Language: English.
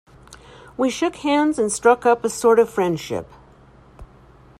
We shook hands and struck up a sort of friendship.